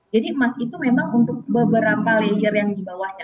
jadi emas itu memang untuk beberapa layer yang di bawahnya